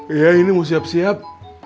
iya ini mau siap siap